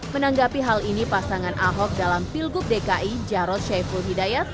menanggapi hal ini pasangan ahok dalam pilgub dki jarod syaiful hidayat